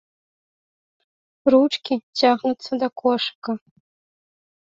Ручкі цягнуцца да кошыка.